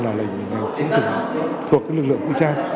là lệnh thuộc lực lượng vũ trang